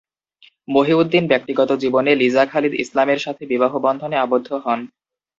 মহিউদ্দিন ব্যক্তিগত জীবনে লিজা খালিদ ইসলামের সাথে বিবাহ বন্ধনে আবদ্ধ হন।